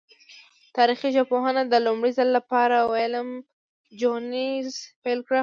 تاریخي ژبپوهنه د لومړی ځل له پاره ویلم جونز پیل کړه.